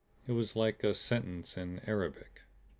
It was like a sentence in Arabic.